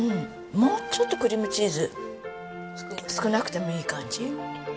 もうちょっとクリームチーズ少なくてもいい感じ。